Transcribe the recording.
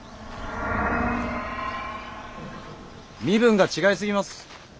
身分が違いすぎます。